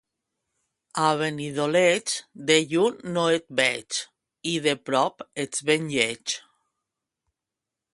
A Benidoleig, de lluny no et veig i de prop ets ben lleig.